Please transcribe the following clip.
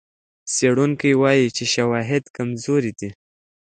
څېړونکي وايي چې شواهد کمزوري دي.